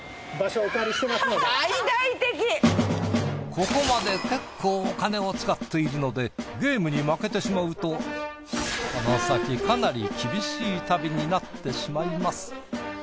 ここまで結構お金を使っているのでゲームに負けてしまうとこの先かなり厳しい旅になってしまいます。